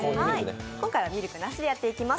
今回はミルクなしでやっていきます。